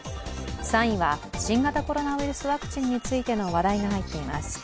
３位は、新型コロナワクチンについての話題が入っています。